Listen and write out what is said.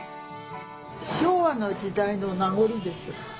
昭和の時代の名残です。